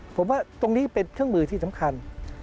ผมว่าตรงนี้เป็นเครื่องมือที่สำคัญ